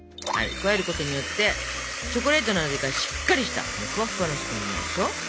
加えることによってチョコレートの味がしっかりしたふわふわになるでしょ。